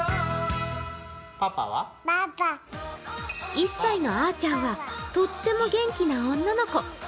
１歳のあーちゃんはとっても元気な女の子。